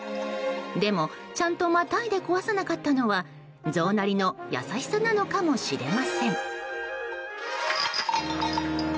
でも、ちゃんとまたいで壊さなかったのはゾウなりの優しさなのかもしれません。